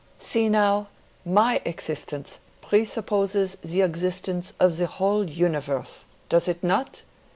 "See now! My existence presupposes the existence of the whole universe—does it _not?